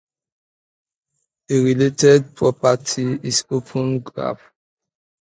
A related property is open graph.